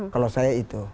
kalau saya itu